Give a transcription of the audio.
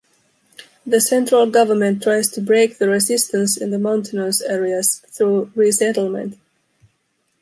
The central government tries to break the resistance in the mountainous areas through resettlement.